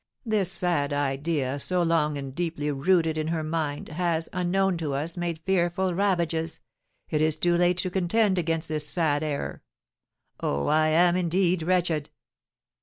This sad idea, so long and deeply rooted in her mind, has, unknown to us, made fearful ravages; and it is too late to contend against this sad error. Oh, I am indeed wretched!"